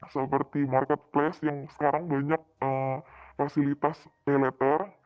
seperti marketplace yang sekarang banyak fasilitas turning in bize dana sicher